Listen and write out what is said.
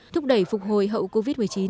thúc đẩy phục hồi hậu covid một mươi chín